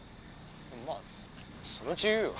まっそのうち言うよ。